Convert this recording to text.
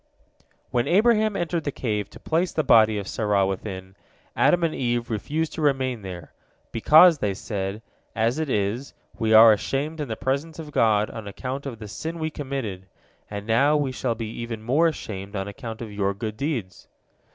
When Abraham entered the cave to place the body of Sarah within, Adam and Eve refused to remain there, "because," they said, "as it is, we are ashamed in the presence of God on account of the sin we committed, and now we shall be even more ashamed on account of your good deeds."